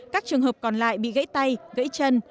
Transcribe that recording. các trường hợp còn lại bị gãy tay gãy chân